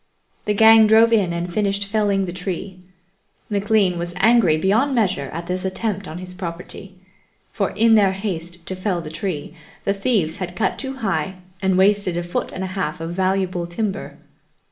The gang drove in and finished felling the tree. McLean was angry beyond measure at this attempt on his property, for in their haste to fell the tree the thieves had cut too high and wasted a foot and a half of valuable timber.